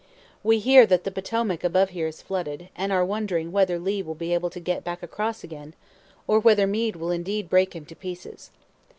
We hear that the Potomac above here is flooded, and are wondering whether Lee will be able to get back across again, or whether Meade will indeed break him to pieces.